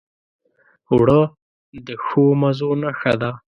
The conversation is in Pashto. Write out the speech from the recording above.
اوړه د ښو مزو نښه ده